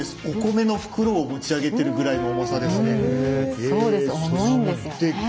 お米の袋を持ち上げてるくらいの重さですね。